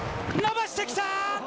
伸ばしてきた。